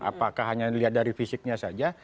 apakah hanya dilihat dari fisiknya saja